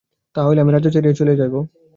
তাহা হইলে আমি রাজ্য ছাড়িয়া দিয়া চলিয়া যাইব।